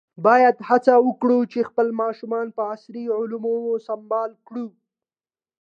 باید هڅه وکړو چې خپل ماشومان په عصري علومو سمبال کړو.